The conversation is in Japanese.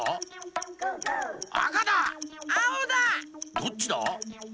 どっちだ？